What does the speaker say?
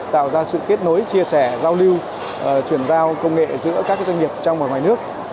tạo ra sự kết nối chia sẻ giao lưu chuyển giao công nghệ giữa các doanh nghiệp trong và ngoài nước